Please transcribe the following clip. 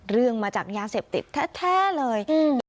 เรื่องมาจากยาเสพติดแท้เลย